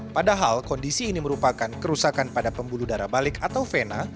padahal kondisi ini merupakan kerusakan pada pembuluh darah balik atau vena